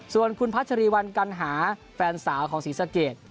ส่วนคุณพัชรีวัลกัณหาแฟนสาวของศรีสะเกด